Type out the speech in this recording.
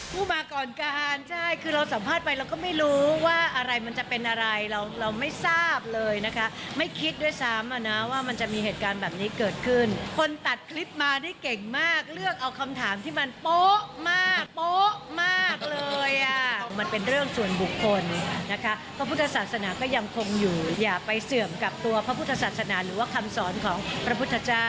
ผู้มาก่อนการใช่คือเราสัมภาษณ์ไปเราก็ไม่รู้ว่าอะไรมันจะเป็นอะไรเราเราไม่ทราบเลยนะคะไม่คิดด้วยซ้ำอ่ะนะว่ามันจะมีเหตุการณ์แบบนี้เกิดขึ้นคนตัดคลิปมาได้เก่งมากเลือกเอาคำถามที่มันโป๊ะมากโป๊ะมากเลยอ่ะมันเป็นเรื่องส่วนบุคคลนะคะพระพุทธศาสนาก็ยังคงอยู่อย่าไปเสื่อมกับตัวพระพุทธศาสนาหรือว่าคำสอนของพระพุทธเจ้า